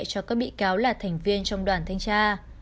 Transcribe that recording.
cho các bị cáo là thành viên trong đoàn thanh tra